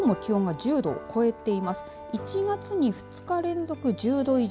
１月に２日連続１０度以上。